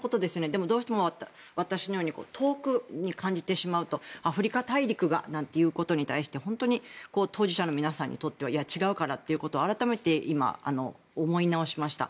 でも、どうしても私のように遠くに感じてしまうとアフリカ大陸がなんていうことに対して本当に当事者の皆さんにとってはいや、違うからということを改めて今、思い直しました。